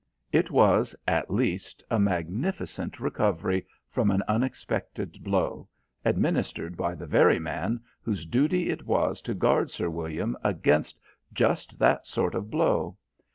It was, at least, a magnificent recovery from an unexpected blow, administered by the very man whose duty it was to guard Sir William against just that sort of blow.